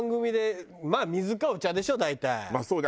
まあそうね。